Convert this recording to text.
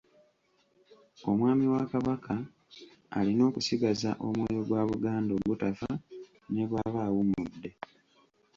Omwami wa Kabaka alina okusigaza omwoyo gwa Buganda ogutafa ne bw'aba awummudde.